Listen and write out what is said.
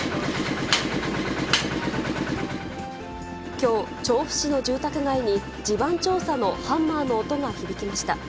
きょう、調布市の住宅街に地盤調査のハンマーの音が響きました。